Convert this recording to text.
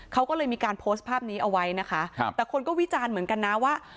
เขาก็เลยมีการโพสต์ภาพนี้เอาไว้นะคะครับแต่คนก็วิจารณ์เหมือนกันนะว่า